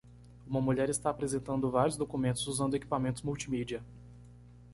Uma mulher está apresentando vários documentos usando equipamentos multimídia.